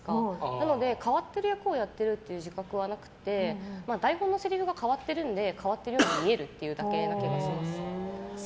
なので変わっている役をやっている自覚がなくて台本のせりふが変わってるのでそう見えるだけな気がします。